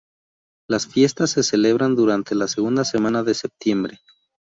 Las fiestas se celebran durante la segunda semana de septiembre.